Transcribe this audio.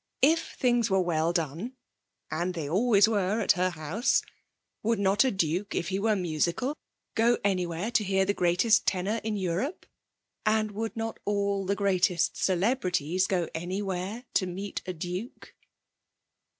If things were well done and they always were at her house would not a duke, if he were musical, go anywhere to hear the greatest tenor in Europe? And would not all the greatest celebrities go anywhere to meet a duke?